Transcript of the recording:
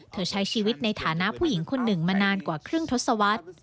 ใช้ชีวิตในฐานะผู้หญิงคนหนึ่งมานานกว่าครึ่งทศวรรษ